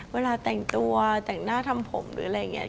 เวลาแต่งตัวแต่งหน้าทำผมหรืออะไรอย่างนี้